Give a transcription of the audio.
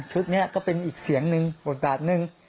นี้ก็เป็นอีกเสียงหนึ่งบทบาทหนึ่ง